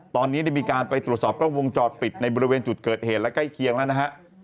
ตอนนี้ได้มีการไปตรวจสอบกล้องวงจอดปิดในบริเวณจุดเกิดเหตุและใกล้เคียงแล้วนะฮะ